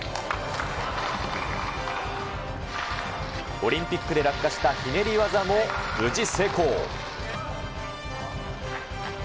オリンピックで落下したひねり技も無事成功。